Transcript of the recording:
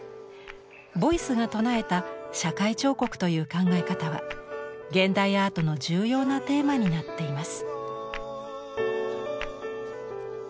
ボイスが唱えた社会彫刻という考え方は現代アートの重要なテーマになっています。